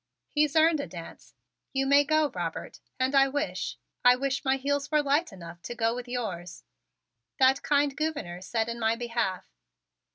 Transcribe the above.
He's earned a dance. You may go, Robert, and I wish I wish my heels were light enough to go with yours," that kind Gouverneur said in my behalf.